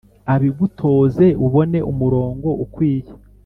abigutoze ubone umurongo ukwiye